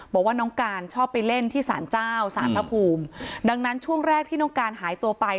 บอกว่าน้องการชอบไปเล่นที่สารเจ้าสารพระภูมิดังนั้นช่วงแรกที่น้องการหายตัวไป